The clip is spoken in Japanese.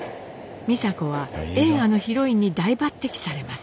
美佐子は映画のヒロインに大抜擢されます。